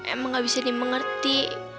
emang gak bisa dimengerti